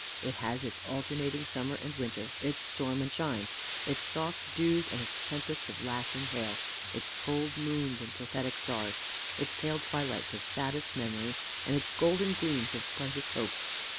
It has its alternating summer and winter, its storm and shine, its soft dews and its tempests of lashing hail, its cold moons and prophetic stars, its pale twilights of saddest memory, and its golden gleams of brightest hope.